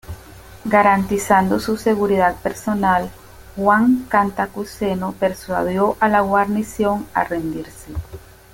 Garantizando su seguridad personal, Juan Cantacuceno persuadió a la guarnición a rendirse.